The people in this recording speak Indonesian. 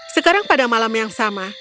sekarang pada malam yang sama